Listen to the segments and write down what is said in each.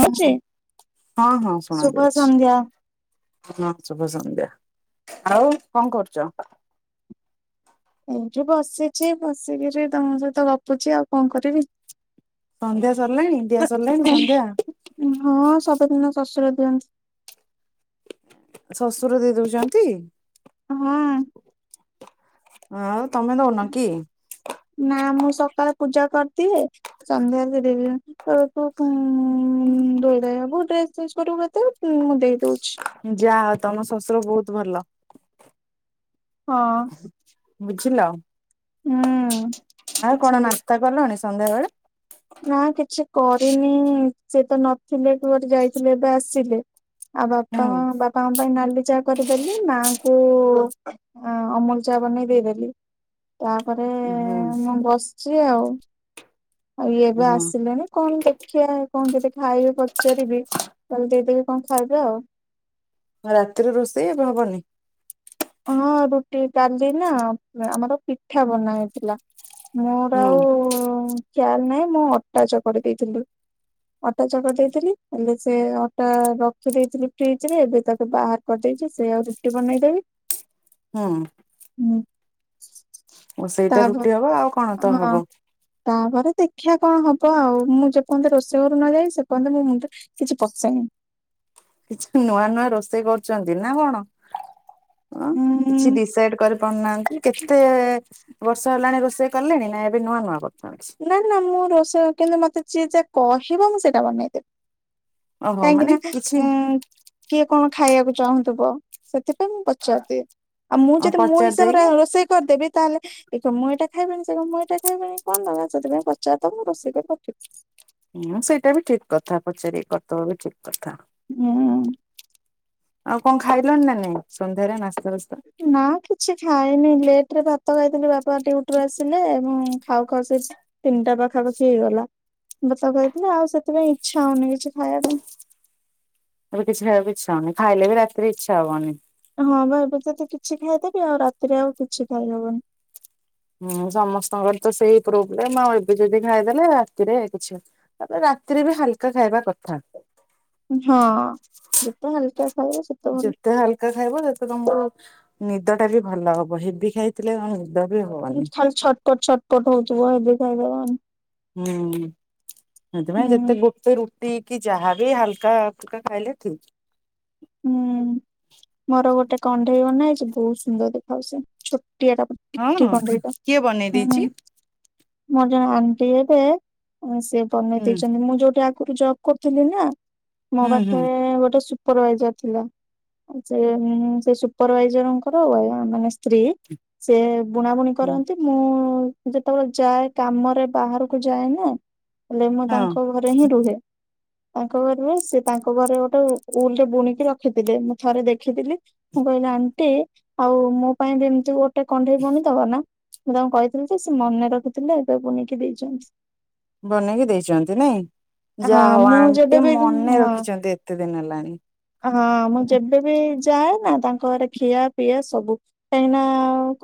ହଁ ହଁ ହଁ ଶୁଭ ଶୁଣାଯାଉଛି। ସନ୍ଧ୍ୟା। ହଁ ଶୁଭ ସନ୍ଧ୍ୟା ଆଉ କଣ କରୁଛ? ଏଇଠି ବସିଛି ବସିକିରି ତମ ସହିତ ଗପୁଛି ଆଉ କଣ କରିବି। ସନ୍ଧ୍ୟା ସରିଲାଣି ଦିଆ ସରିଲାଣି ସନ୍ଧ୍ୟା? ହଁ ସବୁଦିନ ଶଶୁର ଦିଅନ୍ତି। ଶଶୁର ଦେଇ ଦଉଛନ୍ତି? ହଁ। ଆଉ ତମେ ଦଉନ କି? ନା ମୁଁ ସକାଳେ ପୂଜା କରିଦିଏ ସନ୍ଧ୍ୟା ସେ ଦେଇଦିୟନ୍ତି। କହିବେ ତୁ ଧୋଇ ଧାଇ ଉଁ ଡ୍ରେସ ଚେଞ୍ଜ କରିବୁ କେତେବେଳେ ମୁଁ ଦେଇଦଉଛି। ଯାହାହଉ ତମ ଶଶୁର ବହୁତ ଭଲ। ହଁ। ବୁଝିଲ। ହୁଁ। ଆଉ କଣ ବୁଝିଲି। ନାସ୍ତା କଲଣି ସନ୍ଧ୍ୟାବେଳେ? ନା କିଛି କରିନି ସେ ତ ନଥିଲେ କୁଆଡେ ଯାଇଥିଲେ ଏବେ ଆସିଲେ ଆଉ ବାପା ହୁଁ ବାପାଙ୍କ ପାଇଁ ନାଲି ଚାହା କରିଦେଲି ମାଙ୍କୁ ଆ ଅମୁଳ ଚା ବନେଇ ଦେଇଦେଲି ତାପରେ ହୁଁ ମୁଁ ବସିଛି ଆଉ ଆଉ ଇଏ ଏବେ ହୁଁ ଆସିଲେଣି କଣ ଦେ ଖିଆ କଣ କେତେ ଖାଇବେ ପଚାରିବି, ତାହଲେ ଦେଇଦେବି କଣ ଖାଇବେ ଆଉ। ରାତିରେ ରୋଷେଇ ଏବେ ହବନି? ହଁ ରୁଟି, କଲି ନା ଆମର ପିଠା ବନା ହେଇଥିଲା। ମୋର ହୁଁ ଆଉ ଖିଆଲ୍ ନାହିଁ, ମୁଁ ଅଟା ଚକଟି ଦେଇଥିଲି। ଅଟା ଚକଟି ଦେଇଥିଲି, ହେଲେ ସେ ଅଟା ରଖିଦେଇଥିଲି ଫ୍ରିଜରେ ଏବେ ତାକୁ ବାହାର କରଦେଇଛି ସେଆକୁ ରୁଟି ବନେଇଦେବି। ହୁଁ ହୁଁ ଓ ସେଇଟା ତାପ ରୁଟି ହବ, ଆଉ କଣ ତ ହଁ ହବ? ତାପରେ ଦେଖିଆ କଣ ହବ ଆଉ। ମୁଁ ଯେପନ୍ଦେ ରୋଷେଇ ଘରୁକୁ ନ ଯାଇଛି ସେପନ୍ଦେ ମୋ ମୁଣ୍ଡ କିଛି ପସେନି। କିଛି ନୂଆ ନୂଆ ରୋଷେଇ କରୁଛନ୍ତି ନା କଣ? ଅ ଉଁ କିଛି ଡିସାଇଡ କରି ପାରୁନାହାନ୍ତି କେତେ ବର୍ଷ ହେଲାଣି ରୋଷେଇ କଲେଣି, ନା ଏବେ ନୂଆ ନୂଆ କରୁଛନ୍ତି? ନା ନା ମୁଁ ରୋଷେଇ, କିନ୍ତୁ ମତେ ଯିଏ ଯା କହିବ ମୁଁ ସେଇଟା ବନେଇଦେବି। ଓହୋ ମାନେ କାଇଁକିନା କିଛି ଉଁ କିଏ କଣ ଖାଇବାକୁ ଚାହୁଁଥିବ, ସେଥିପାଇଁ ମୁଁ ପଚାରିଦିଏ। ଆଉ ମୁଁ ଯଦି ମୋ ପଚାରି ହିସାବରେ ଦେଇକି ରୋଷେଇ କରିଦେବି, ତାହେଲେ ଇଏ କହିବ ମୁଁ ଏଇଟା ଖାଇବିନି ସେ କହିବ ମୁଁ ଏଇଟା ଖାଇବିନି। କଣ ଦକାର ସେଥିପାଇଁ ପଚାରଦବ ରୋଷେଇ କରିି ରଖିବି। ହୁଁ ସେଇଟା ବି ଠିକ୍ କଥା, ପଚାରିକି କରିଦବା ବି ଠିକ୍ କଥା। ହୁଁ ଆଉ କଣ ଖାଇଲଣି ନା ନାଇଁ, ସନ୍ଧ୍ୟାରେ ନାସ୍ତା ଫାସ୍ତା? ନା କିଛି ଖାଇନି ଲେଟ ରେ ଭାତ ଖାଇଥିଲି, ବାପା ଡ଼ିଉଟି ଆସିଲେ ଏବଂ ଖାଉ ଖାଉ ସେ ତିନିଟା ପାଖାପାଖି ହେଇଗଲା। ଭାତ ଖାଇଥିଲି ଆଉ ସେଥିପାଇଁ ଇଚ୍ଛା ହଉନି କିଛି ଖାଇବା ପାଇଁ। ଏବେ କିଛି ଖବାକୁ ଇଚ୍ଛା ହଉନି ଖାଇଲେ ବି ରାତିରେ ଇଚ୍ଛା ହବନି। ହଁ ବା ଏବେ ଯଦି କିଛି ଖାଇଦେବି ଆଉ ରାତିରେ ଆଉ କିଛି ଖାଇହବନି। ହୁଁ ସମସ୍ତଙ୍କର ତ ସେଇ ପ୍ରୋବଲମ୍ ଆଉ, ଏବେ ଯଦି ଖାଇଦେଲେ ରାତିରେ କିଛି ତାପରେ ରାତିରେ ବି ହାଲକା ଖାଇବା କଥା। ହଁ ଯେତେ ହାଲକା ଖାଇବ ସେ ଯେତେ ହାଲକା ଖାଇବ ସେତେ ତମକୁ ନିଦ ଟା ବି ଭଲ ହବ। ହେବି ଖାଇଥିଲେ [unintelligible] ଦେବେ ହୋ ଖାଲି ଛଟପଟ ଛଟପଟ ହଉଥିବ ଏବେ ଖାଇବା ହୁଁ, ସେଥିପାଇଁ ହୁଁ ଯେତେ ଗୋଟେ ରୁ ଟି କି ଯାହା ବି ହାଲକା ଫଲକା ଖାଇଲେ ଠିକ। ହୁଁ ମୋର ଗୋଟେ କଣ୍ଢେଇ ବନାହେଇଚି, ବହୁତ ସୁନ୍ଦର ଦେଖାହଉଚି ସେ ଛୋଟିଆ ଟା ପୁ ହଁ, କିଏ ବନେଇ ଦେଇଛି? ମୋର ଜଣେ ଆଣ୍ଟି ଏବେ ସେ ବନେଇ ହୁଁ ଦେଇଛନ୍ତି। ମୁଁ ଯୋଉଠି ଆ ଗୁରୁ ଜବ କରୁଥିଲି ନା ମୋ ହୁଁ ହୁଁ ପାଖରେ ଗୋଟେ ସୁପରଭାଇଜର ଥିଲା। ସେ ଉଁ ସେ ସୁପରଭାଇଜରଙ୍କର ଏ ମାନେ ସ୍ତ୍ରୀ ସେ ବୁଣାବୁଣି ହୁଁ କରନ୍ତି। ମୁଁ ଯେତେବେଳେ ଯାଏ କାମରେ ବାହାରକୁ ଯାଏ ନା ହେଲେ ମୁଁ ହଁ ତାଙ୍କ ଘରେ ହିଁ ରୁହେ। ତାଙ୍କ ଘରେ ରୁଏ, ସେ ତାଙ୍କ ଘରେ ଗୋଟେ ଉ ଉଲରେ ବୁଣି ଟି ରଖିଥିଲେ। ମୁଁ ଥରେ ଦେଖିଥିଲି, ମୁଁ କହିଲି ଆଣ୍ଟି ଆଉ ମୋ ପାଇଁ ବି ଏମତି ଗୋ ଗୋଟେ କଣ୍ଢେଇ ବୁଣିଦବ ନା ମୁଁ ତାଙ୍କୁ କହିଥିଲି ଯେ ସେ ମନେ ରଖିଥିଲେ ଏବେ ବୁଣିକି ଦେଇଛନ୍ତି। ବନେଇକି ଦେଇଛନ୍ତି ନାଇଁ ହଁ ଯାହା ହଉ ମୁଁ ଆଣ୍ଟି ଯେବେବି ମନେ ହଁ ରଖିଛନ୍ତି ଏ କେତେ ଦିନ ହେଲାଣି? ହଁ ମୁଁ ଯେବେ ବି ଯାଏ ନା ତାଙ୍କ ଘରେ ଖିଆ ପିଆ ସବୁ କାହିଁକିନା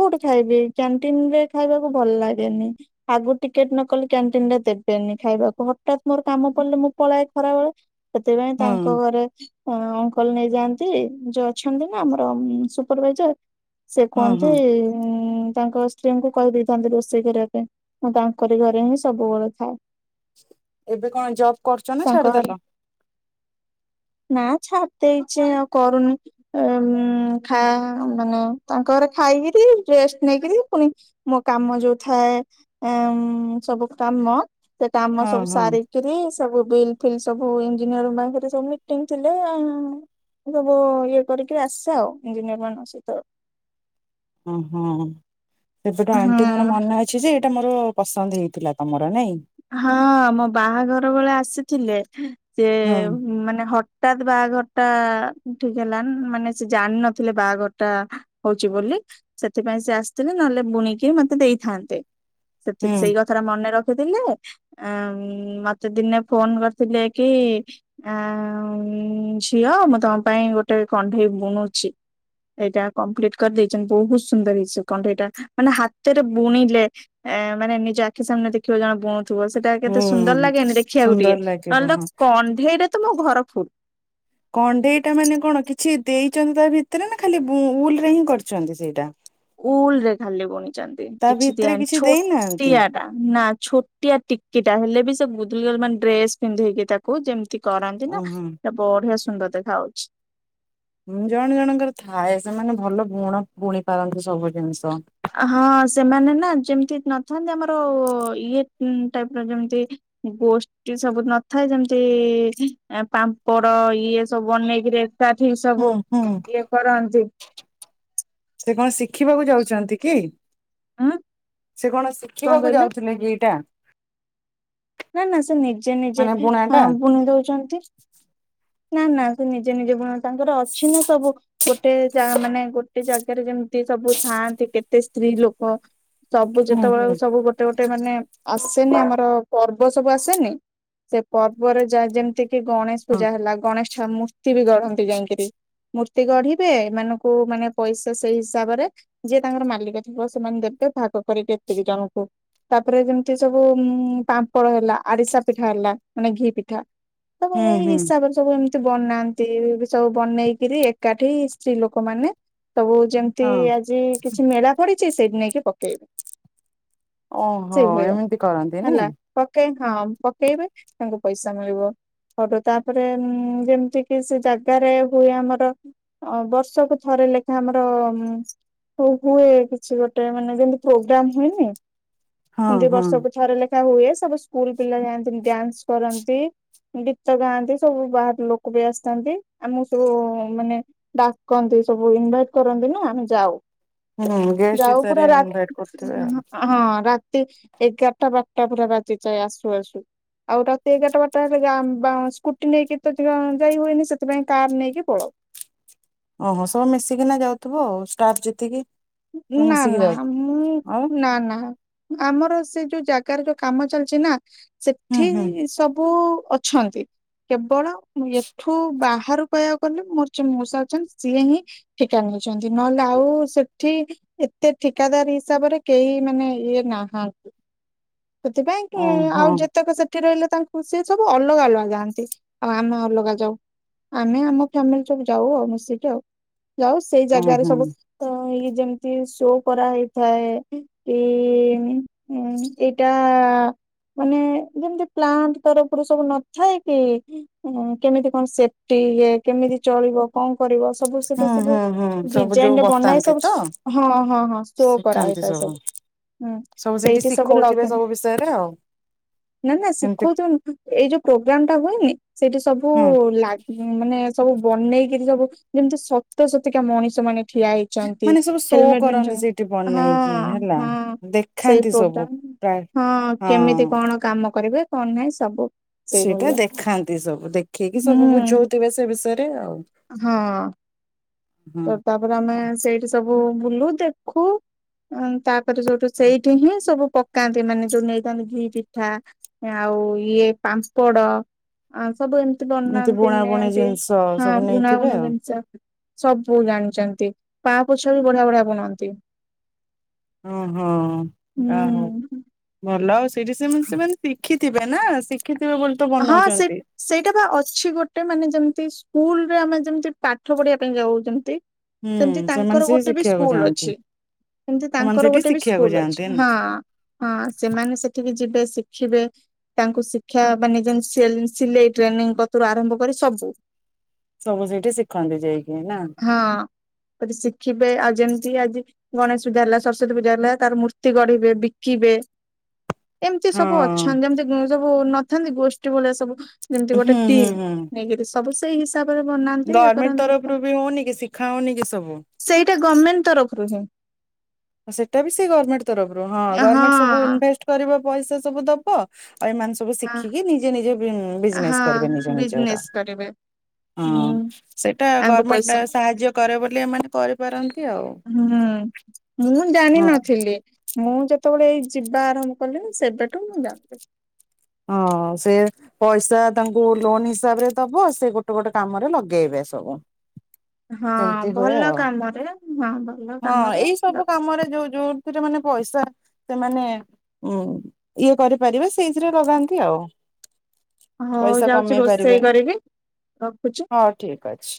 କୋଉଠି ଖାଇବି କ୍ୟାଣ୍ଟିନରେ ଖାଇବାକୁ ଭଲ ଲାଗେନି। ଆଗରୁ ଟିକେଟ ନ କଲେ କ୍ୟାଣ୍ଟିନରେ ଦେବେନି ଖାଇବାକୁ ହଠତ୍ ମୋର କାମ ପଡିଲେ ମୁଁ ପଳାଏ ଖରାବେଳେ ସେଥିପାଇଁ ହୁଁ ତାଙ୍କ ଘରେ ଉଁ ଅଙ୍କଲ ନେଇଯାଆନ୍ତି ଯୋଉ ଅଛନ୍ତି ନା ଆମର ସୁପରଭାଇଜର ସେ ହୁଁ କୁହନ୍ତି ହୁଁ ଉଁ ତାଙ୍କ ସ୍ତ୍ ସ୍ତ୍ରୀଙ୍କୁ କହିଦେଇଥାନ୍ତି ରୋଷେଇ କରିବା ପାଇଁ ମୁଁ ତାଙ୍କରି ଘରେ ହିଁ ସବୁବେଳେ ଖାଏ। ଏବେ କଣ ଜବ୍ କରୁଛ ନା ତାଙ୍କ ଘରେ ଛାଡିଦେଲ? ନା ଛାଡି ଦେଇଚି ଆଉ କରୁନି। ଅ ଉଁ ଖା ମାନେ ତାଙ୍କ ଘରେ ଖାଇକିରି ରେଷ୍ଟ ନେଇକିରି ପୁଣି ମୋ କାମ ଯୋଉ ଥାଏ ଏମ୍ ସବୁ କାମ ସେ କାମ ହଁ ସବୁ ହଁ ସାରିକିରି ସବୁ ବିଲ ଫିଲ୍ ସବୁ ଇଞ୍ଜିନିୟରଙ୍କ ପାଖରେ ସବମିଟ ମିଟିଂ ଥିଲେ ଆଉ ସବୁ ଇଏ କରିକି ଆସେ ଆଉ ଇଞ୍ଜିନିୟରମାନଙ୍କ ସହିତ। ଉଁ ହୁଁ ସେବେଠୁ ଆଣ୍ଟିଙ୍କର ହଁ ମନେ ଅ ଅଛି ଯେ ଏଇଟା ମୋର ପସନ୍ଦ ହେଇଥିଲା ତମର ନାଇଁ। ହଁ ମୋ ବାହାଘର ବେଳେ ଆସିଥିଲେ ଯେ ହୁଁ ମାନେ ହଠ ଠାତ୍ ବାହାଘର ଟା ଠିକ ହେଲା ନ ମାନେ ସେ ଜାଣିନଥିଲେ ବାହାଘର ଟା ହଉଛି ବୋଲି ସେଥିପାଇଁ ସେ ଆସିଥିଲେ ନହେଲେ ବୁଣିକି ମତେ ଦେଇଥାନ୍ତେ। ସେଥି ହୁଁ ସେଇ କଥା ଟା ମନେ ରଖିଥିଲେ ଉମ୍ ମତେ ଦିନେ ଫୋନ କରିଥିଲେ କି ଆ ଉଁ ଝିଅ ମୁଁ ତମ ପାଇଁ ଗୋଟେ କଣ୍ଢେଇ ବୁଣୁଛି। ଏଇଟା କମ୍ପ୍ଲିଟ କରିଦେଇଛନ୍ତି ବହୁତ ସୁନ୍ଦର ହେଇଚି ସେ କଣ୍ଢେଇଟା ମାନେ ହାତରେ ବୁଣିଲେ ଏ ମାନେ ନିଜ ଆଖି ସାମ୍ନାରେ ଦେଖିବ ଜଣେ [unintelligible] ଥୁବ ସେଟା କେତେ ସୁନ୍ଦର ହୁଁ ଲାଗେନି ଦେଖିବାକୁ ସୁନ୍ଦର ଟିକେ ଲାଗିବ ନହେଲେ ହଁ ତ କଣ୍ଢେଇରେ ତ ମୋ ଘର ଫୁଲ୍। କଣ୍ଢେଇଟା ମାନେ କଣ କିଛି ଦେଇଛନ୍ତି ତା ଭିତରେ ନା ଖାଲି ବୁଁ ଉଲ ରେ ହିଁ କରିଛନ୍ତି ସେଇଟା? ଉଲ ରେ ଖାଲି ବୁଣିଚନ୍ତି ତା କିଛି ଦିଆ ଭିତରେ ହେଇନି ଦେଇନାହାନ୍ତି ଛୋଟିଆ ନା ଛୋଟିଆ ଟିକିଟା ହେଲେ ବି ସେ ଗୁଦୁଲଗାଦୁଲ ମାନେ ଡ୍ରେସ ପିନ୍ଧେଇକି ତାକୁ ଯେମିତି କରନ୍ତି ନା ଓହୋ ସେ ବଢିଆ ସୁନ୍ଦର ଦେଖାହଉଛି। ଜଣେ ଜଣଙ୍କର ଥାଏ ସେମାନେ ଭଲ ବୁଣ ବୁଣି ପାରନ୍ତି ସବୁ ଜିନିଷ। ହଁ ସେମାନେ ନା ଯେମିତି ନଥାନ୍ତି ଆମର ଇଏ ଟାଇପ ର ଯେମିତି ବୋଷ୍ ଇଏ ସବୁ ନଥାଏ ଯେମିତି ପାମ୍ପଡ଼ ଇଏ ସବୁ ବନେଇକିରି [unintelligible] ସବୁ ହୁଁ ହୁଁ। ଇଏ କରନ୍ତି। ସେ କଣ ଶିଖିବାକୁ ଯାଉଛନ୍ତି କି? ଉଁ ସେ କଣ ଶିଖିବାକୁ ଯାଉଥିଲେ କି ଏଇଟା। ନା ନା ସେ ନିଜେ ନିଜେ ମାନେ ବୁଣା ଆ ଟା? ବୁଣି ଦେଉଛନ୍ତି। ନା ନା ସେ ନିଜେ ନିଜେ ବୁଣନ୍ତି ତାଙ୍କର ଅଛି ନା ସବୁ ଗୋଟେ ଜା ମାନେ ଗୋଟେ ଜାଗାରେ ଯେମିତି ସବୁ ଥାଆନ୍ତି କେତେ ସ୍ତ୍ରୀ ଲୋକ ସବୁ ହୁଁ ଯେତେବେଳେକୁ ହୁଁ ସବୁ ଗୋଟେ ଗୋଟେ ମାନେ ଆସେନି ଆମର ପର୍ବ ସବୁ ଆସେନି ସେ ପର୍ବରେ ଯା ଯେମିତି କିି ଗଣେଶ ହଁ ପୂଜା ହେଲା ଗଣେଶ ଛା ମୂ ମୂର୍ତ୍ତି ବି ଗଢନ୍ତି ଯାଇଁକିରି ମୂର୍ତ୍ତି ଗଢିବେ ଏମାନଙ୍କୁ ମାନେ ପଇସା ସେଇ ହିସାବରେ ଯିଏ ତାଙ୍କର ମାଲିକ ଥିବ ସେମାନେ ଦେବେ ଭାଗ କରିବେ ଏତିକି ଜଣଙ୍କୁ। ତାପରେ ଯେମିତି ସବୁ ଉଁ ପାମ୍ପଡ଼ ହେଲା ଆରିସା ପିଠା ହେଲା ମାନେ ଘି ପିଠା ତ ହୁଁ ଏଇ ହୁଁ। ହିସାବରେ ସବୁ ଏମିତି ବନାନ୍ତି ସବୁ ବନେଇକିରି ଏକାଠି ସ୍ତ୍ରୀ ଲୋକମାନେ ସବୁ ଯେମିତି ଏମତି ହଁ ଆଜି କିଛି ମେଳା ପଡିଛି ସେଇଠି ନେଇକି ପକେଇବି। ଓହୋ ଏମିତି କରନ୍ତି ନାଇଁ। ପକେଇ ହଁ ପକେଇବେ ତାଙ୍କୁ ପଇସା ମିଳିବ। କରୁ ତାପରେ ଯେମିତି କି ସେ ଜାଗାରେ ହୁଏ ଆମର ଅ ବର୍ଷକୁ ଥରେ ଲେଖା ଆମର ହ ହୁଏ କିଛି ଗୋଟେ ମାନେ ଯେମତି ପ୍ରୋଗ୍ରାମ ହୁଏନି ହଁ ଯେମିତି ହଁ। ବର୍ଷକୁ ଥରେ ଲେଖା ହୁଏ ସବୁ ସ୍କୁଲ ପିଲା ଯାଆନ୍ତି ଡ୍ୟାନ୍ସ କରନ୍ତି। ଗୀତ ଗାଆନ୍ତି ସବୁ ବାହାର ଲୋକ ବି ଆସିଥାନ୍ତି ଆମକୁ ସବୁ ମାନେ ଡାକନ୍ତି ସବୁ ଇନଭାଇଟ କରନ୍ତି ନା ଆମେ ଯାଉ। ହୁଁ ଗେଷ୍ଟ ଯାଉ ହିସାବରେ ପୁରା ରା ଇନଭାଇଟ କରୁଥିବେ ଆଉ। ହଁ ରାତି ଏଗାରଟା ବାରଟା ପୁରା ବାଜିଯାଏ ଆସୁ ଆସୁ। ଆଉ ରାତି ଏଗାରଟା ବାରଟା ହେଲେ ଗାଁ ସ୍କୁଟି ନେଇକି ତ ଯାଇ ହୁଏନି ସେଥିପାଇଁ କାର ନେଇକି ପଳାଉ। ଓହୋ ସବୁ ମିଶିକିନା ଯାଉଥିବ ଆଉ ଷ୍ଟାଫ୍ ଯେତିକି ସବୁ ନା ମିଶିକି ନା ଯାଉ ମୁଁ ଆଉ। ନା ନା। ଆମର ସେ ଯୋଉ ଜାଗାରେ ଯୋଉ କାମ ଚାଲିଛି ନା ହୁଁ ସେଠି ହୁଁ। ସବୁ ଅଛନ୍ତି। କେବଳ ଏଠୁ ବାହାରୁ କହିବା କୁ ଗଲେ ମୋର ଯେ ମଉସା ଅଛନ୍ତି ସିଏ ହିଁ ଠିକା ନେଇଛନ୍ତି ନହେଲେ ଆଉ ସେ ଠି ଏତେ ଠିକାଦାର ହିସାବରେ କେହି ମାନେ ଇଏ ନାହାନ୍ତି। ସେଥିପାଇଁ କି ଓହୋ ଆଉ ଯେତେକ ସେ ଠି ରହିଲେ ତାଙ୍କୁ ସିଏ ସବୁ ଅଲଗା ଅଲଗା ଯାଆନ୍ତି ଆଉ ଆମେ ଅଲଗା ଯାଉ। ଆମେ ଆମ ଫ୍ୟାମିଲି ସବୁ ଯାଉ ଆଉ ମିଶିକି ଆଉ ଯାଉ ସେଇ ଉଁ ଜାଗାରେ ହୁଁ ସବୁ ତ ଇଏ ଯେମିତି ଶୋ କରାହେଇଥାଏ କି ଉ। ଏଇଟା ମାନେ ଯେମିତି ପ୍ଲାଣ୍ଟ ତରଫରୁ ସବୁ ନଥାଏ କି, ହଁ, କେମିତି କଣ ସେଫ୍ଟିରେ କେମିତି ଚଳିବ କଣ କରିବ। ସବୁ ସେଟା ହୁଁ ସବୁ ହୁଁ ହୁଁ ସବୁ ଯୋଉ ଡିଜାଇନରେ ବନାଏ ବତାନ୍ତି ସବୁ ତ? ହଁ ହଁ ହଁ ସୋ କରାହେଇଥାଏ ସବୁ। ହୁଁ ସେଇଠି ସବୁ ଲଗେଇ ସେ ସବୁ ବିଷୟରେ ଆଉ। ନା ନା କେମତି ଶିଖଉଥିବ ଏଇ ଯୋଉ ପ୍ରୋଗ୍ରାମ ଟା ହୁଏନି ସେଇଠି ସବୁ ହୁଁ ଲାଗେ ହୁଁ, ମାନେ ସବୁ ବନେଇକିରି ସବୁ ଯେମିତି ସତ ସତିକା ମଣିଷ ମାନେ ଠିଆ ହେଇ ଛନ୍ତି, ମାନେ ସବୁ ଶୋ ହେଲମେଟ କରନ୍ତି ପିନ୍ଧିଛନ୍ତି, ସେଇଠି ହଁ ବନେଇକି ହେଲା ହଁ ସେଇ ଦେଖାନ୍ତି ସବୁ ପ୍ରୋଗ୍ରାମ ପ୍ରାୟ ହଁ ହଁ କେମିତି ହଁ କଣ କାମ କରିବେ କଣ ନାହିଁ ସବୁ। ସେଇଟା ସେଇଭଳିଆ ଦେଖାନ୍ତି ସବୁ, ଦେଖେଇକି ସବୁ ହୁଁ ବୁଝଉଥିବେ ସେ ବିଷୟରେ ଆଉ। ହଁ ହଁ ତାପରେ ଆମେ ସେଇଠି ସବୁ ବୁଲୁ ଦେଖୁ। ତାପରେ ସେଉଠୁ ସେଇଠି ହିଁ ସବୁ ପ କାନ୍ତି ମାନେ ଯୋଉ ନେଇଥାନ୍ତି ଘି ପିଠା ଆଉ ଇଏ ପାମ୍ପଡ। ଆ ସବୁ ଏମିତି ବନାନ୍ତି ବୁଣା ବୁଣି ନିଅନ୍ତି, ଜିନିଷ ହଁ ସବୁ ବୁଣା ନେଇଥିବେ ବୁଣି ଆଉ ଜିନିଷ। ସବୁ ଜାଣିଛନ୍ତି, ପା ପୋଛା ବି ବଢିଆ ବଢିଆ ବୁଣନ୍ତି। ହଁ ହଁ, ଯାହା ହଉ। ହୁଁ ଭଲ ଆଉ ସେଇଠି ସେମାନେ ସେମାନେ ଶିଖିଥିବେ ନା ଶିଖିଥିବେ ବୋଲି ତ ହଁ ସେ ବନଉଛନ୍ତି ସେଇଟା ବା ଅଛି ଗୋଟେ ମାନେ ଯେମିତି ସ୍କୁଲରେ ଆମେ ଯେମିତି ପାଠ ପଢିବା ପାଇଁ ଯାଉ ଯେମତି ହୁଁ ସେମିତି ସେମାନେ ତାଙ୍କର ସେ ଗୋଟେ ବି ଶିଖିବାକୁ ସ୍କୁଲ ଯାଆନ୍ତି ଅଛି। ସେମତି ସେମାନେ ତାଙ୍କର ସେଇଠି ଗୋଟେ ବି ଶିଖିବାକୁ ସ୍କୁଲ ଅଛି, ଯାଆନ୍ତି ନା ହଁ। ହଁ ସେମାନେ ସେଠିକି ଯିବେ, ଶିଖିବେ ତାଙ୍କୁ ଶିକ୍ଷା ମାନେ ଯେମିତି ସେଲ୍ ସିଲେଇ ଟ୍ରେନିଙ୍ଗ କତରୁ ଆରମ୍ଭ କରି ସବୁ ସବୁ ସେଇଠି ଶିଖନ୍ତି ଯାଇକି ନା? ହଁ ସେଠି ଶିଖିବେ ଆଉ ଯେମିତି ଆଜି ଗଣେଶ ପୂଜା ହେଲା, ସରସ୍ଵତୀ ପୂଜା ହେଲା ତାର ମୂର୍ତ୍ତି ଗଢ଼ିବେ ବିକିବେ। ଏମିତି ସବୁ ହଁ ଅଛନ୍ତି ଯେମିତି ସବୁ ନଥାନ୍ତି ଗୋଷ୍ଠୀ ଭଳିଆ ସବୁ ଯେମିତି ହୁଁ ଗୋଟେ ହୁଁ ଟିମ୍ ନେଇକିରି ସବୁ ସେଇ ହିସାବରେ ବନା ଗଭର୍ଣ୍ଣମେଣ୍ଟ ତରଫରୁ ବି ହଉନି କି ଶିଖା ହଉନି କି ସବୁ। ସେଇଟା ଗଭର୍ଣ୍ଣମେଣ୍ଟ ତରଫରୁ ହିଁ। ହ ସେଟାବି ସେହି ଗଭର୍ନମେଣ୍ଟ ତରଫରୁ। ହଁ ଗଭର୍ନମେଣ୍ଟ ସବୁ ଇନଭେଷ୍ଟ୍ କରିବ ପଇସା ସବୁ ଦବ। ଆଉ ଏମାନେ ସବୁ ସବୁ ଶିଖିକି ନିଜେ ନିଜେ ହଁ ବିଜନେସ୍ କରିବେ ନିଜ ନିଜର। ବିଜନେସ୍ କରିବେ ହୁଁ ହଁ ସେଇଟା ଆଙ୍କୁ ଗଭର୍ଣମେଣ୍ଟ ପଇସା ସାହାଯ୍ୟ କରେ ବୋଲି ଏମାନେ କରିପାରନ୍ତି ଆଉ। ହୁଁ ମୁଁ ହଁ ଜାଣିନଥିଲି। ମୁଁ ଯେତେବେଳେ ଏଇ ଯିବା ଆରମ୍ଭ କଲି ସେବେଠୁ ମୁଁ ଜାଣିଲି। ହଁ ସେ ପଇସା ତାଙ୍କୁ ଲୋନ ହିସାବରେ ଦବ ସେ ଗୋଟେ ଗୋଟେ କାମରେ ଲଗେଇବେ ସବୁ। ହଁ ସେମିତି ହୁଏ ଭଲ ଆଉ। କାମରେ ହଁ ଭଲ ହଁ କାମରେ ଏଇ ସବୁ କାମରେ ଯୋଉ ଯୋଉ ସେଟା ମାନେ ପଇସା ସେମାନେ ଉଁ ଇଏ କରିପାରିବେ ସେଇ ସେଇଥିରେ ଲଗାନ୍ତି ଆଉ। ହଁ ପଇସା ଯାଉଛି କମେଇ ରୋଷେଇ ପାରିବେ କରିବି, ରଖୁଛି। [inaudible] ହଉ ଠିକ ଅଛି।